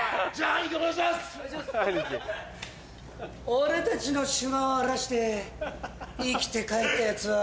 俺たちのシマを荒らして生きて帰ったヤツは。